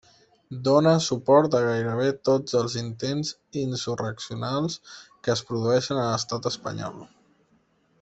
Dóna suport a gairebé tots els intents insurreccionals que es produeixen a l'Estat espanyol.